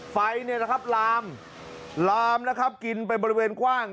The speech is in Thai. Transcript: ไฟเนี่ยนะครับลามลามนะครับกินไปบริเวณกว้าง